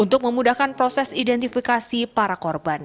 untuk memudahkan proses identifikasi para korban